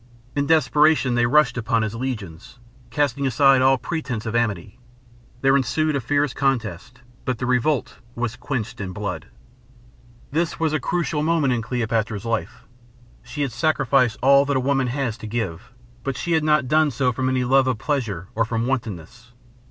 In desperation they rushed upon his legions, casting aside all pretense of amity. There ensued a fierce contest, but the revolt was quenched in blood. This was a crucial moment in Cleopatra's life. She had sacrificed all that a woman has to give; but she had not done so from any love of pleasure or from wantonness.